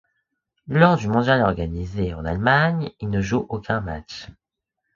Lors du mondial organisé en Allemagne, il ne joue aucun match.